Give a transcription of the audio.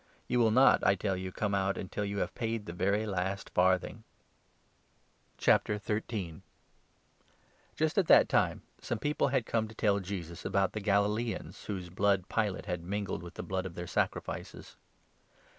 You will not, I tell you, come 59 out until you have paid the very last farthing." The Just at that time some people had come to tell i Meaning of Jesus about the Galilaeans, whose blood Pilate calamities. iiacj mingled with the blood of their sacrifices.